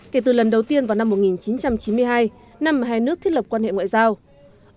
kể từ lần đầu tiên vào năm một nghìn chín trăm chín mươi hai năm hai nước thiết lập quan hệ ngoại giao